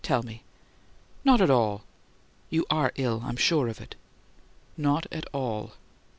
Tell me!" "Not at all." "You are ill I'm sure of it." "Not at all."